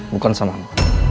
bukan sama lo